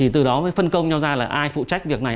từ đó mới phân công nhau ra là ai phụ trách việc này